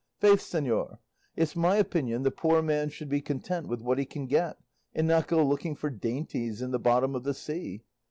Faith, señor, it's my opinion the poor man should be content with what he can get, and not go looking for dainties in the bottom of the sea.